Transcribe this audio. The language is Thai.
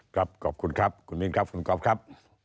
ครับขอบคุณครับคุณมินครับคุณก๊อฟครับ